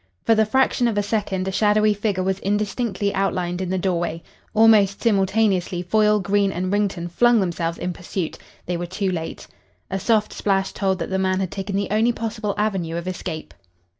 For the fraction of a second a shadowy figure was indistinctly outlined in the doorway. Almost simultaneously Foyle, Green, and Wrington flung themselves in pursuit. They were too late. A soft splash told that the man had taken the only possible avenue of escape.